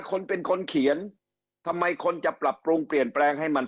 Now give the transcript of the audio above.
คนเป็นคนเขียนทำไมคนจะปรับปรุงเปลี่ยนแปลงให้มัน